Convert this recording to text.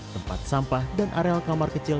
tempat sampah dan areal kamar kecil